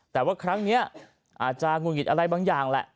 แต่ว่าครั้งนี้อาจารย์คุณกิจอะไรบางอย่างแล้ว